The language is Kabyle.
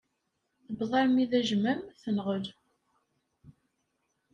Tewweḍ armi d ajmam, tenɣel.